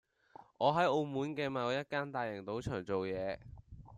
我喺澳門嘅某一間大型賭場做嘢